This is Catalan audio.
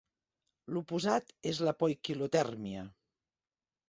L'oposat és la poiquilotèrmia.